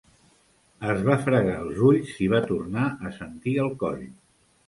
Es va fregar els ulls i va tornar a sentir el coll.